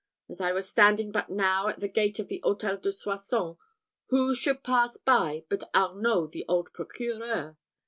As I was standing but now at the gate of the Hôtel de Soissons, who should pass by but Arnault the old procureur.